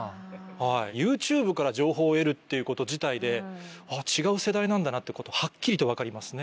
ＹｏｕＴｕｂｅから情報を得るっていうこと自体であっ違う世代なんだなってはっきりと分かりますね。